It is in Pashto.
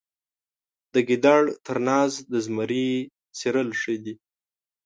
د ګیدړ تر ناز د زمري څیرل ښه دي.